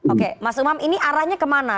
oke mas umam ini arahnya kemana